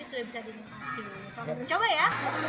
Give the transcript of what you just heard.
selamat mencoba ya